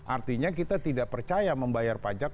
artinya kita tidak percaya membayar pajak